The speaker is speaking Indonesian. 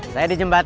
saya di jembatan